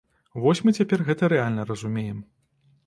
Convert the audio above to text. Вось мы цяпер гэта рэальна разумеем.